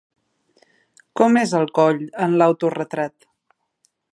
Com és el coll en l'Autoretrat?